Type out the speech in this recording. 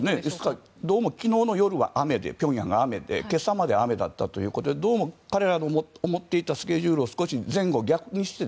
どうも昨日の夜はピョンヤンが雨で今朝まで雨だったということでどうも彼らが思っていたスケジュールを前後逆転して